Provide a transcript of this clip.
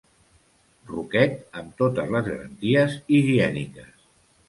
Ruquet amb totes les garanties higièniques.